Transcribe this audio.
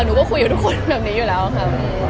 หนูก็คุยกับทุกคนแบบนี้อยู่แล้วค่ะ